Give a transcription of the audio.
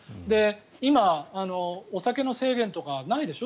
今、お酒の制限とかないでしょ？